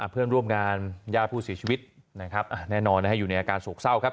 เพื่อนร่วมงานญาติผู้เสียชีวิตนะครับแน่นอนอยู่ในอาการโศกเศร้าครับ